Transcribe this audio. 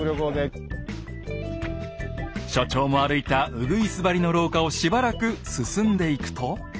所長も歩いたうぐいす張りの廊下をしばらく進んでいくと。